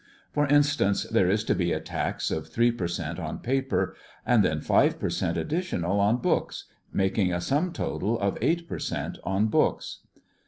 For instance, there is to be a tax of three per cent on paper, and then five per cent additional on books, making a sum total of eight per cent on books.